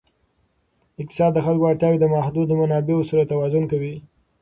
اقتصاد د خلکو اړتیاوې د محدودو منابعو سره توازن کوي.